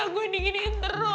gak bisa gue dinginin terus